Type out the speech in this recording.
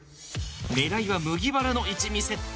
狙いは麦わらの一味セット。